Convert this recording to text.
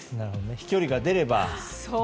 飛距離が出れば。